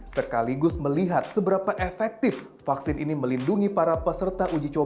sekaligus melihat seberapa efektif vaksin ini melindungi para peserta uji coba dari virus corona